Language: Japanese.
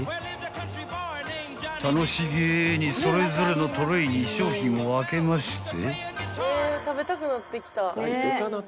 ［楽しげにそれぞれのトレーに商品を分けまして］